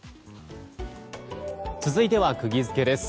続いてはクギヅケです。